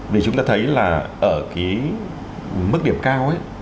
vì chúng ta thấy là ở cái mức điểm cao ấy